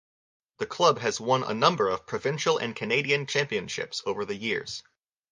The club has won a number of provincial and Canadian championships over the years.